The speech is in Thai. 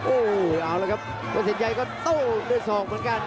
โอ้โหเอาละครับวัดสินชัยก็โต้ด้วยศอกเหมือนกัน